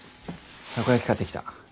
たこ焼き買ってきた。